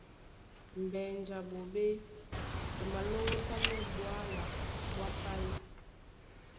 Mbenju a ɓoɓé e malóúsánɛ́ ɓwǎla ɓwá páí.